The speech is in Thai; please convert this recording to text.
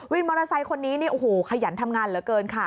มอเตอร์ไซค์คนนี้เนี่ยโอ้โหขยันทำงานเหลือเกินค่ะ